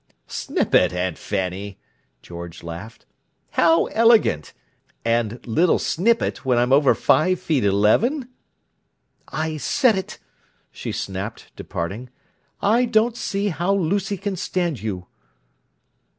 "'Snippet,' Aunt Fanny!" George laughed. "How elegant! And 'little snippet'—when I'm over five feet eleven?" "I said it!" she snapped, departing. "I don't see how Lucy can stand you!"